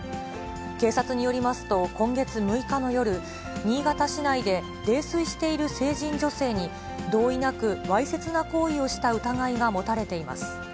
警察によりますと、今月６日の夜、新潟市内で泥酔している成人女性に同意なくわいせつな行為をした疑いが持たれています。